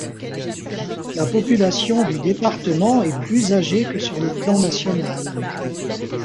La population du département est plus âgée que sur le plan national.